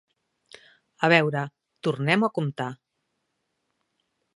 A veure, tornem-ho a comptar.